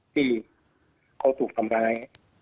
ที่เขาถูกทำร้าย